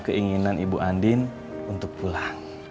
keinginan ibu andin untuk pulang